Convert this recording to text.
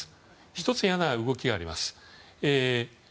１つ、嫌な動きがあります。